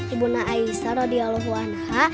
ibu na'isa rodi allahuanha